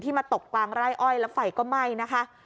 มาตกกลางไร่อ้อยแล้วไฟก็ไหม้นะคะ